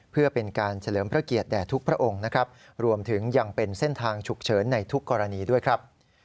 เพื่อเป็นการเฉลิมพระเกียรติแด่ทุกข์พระองค์นะครับ